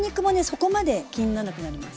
そこまで気にならなくなります。